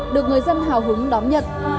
được người dân hào hứng đón nhận